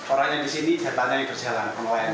orangnya di sini jantannya yang berjalan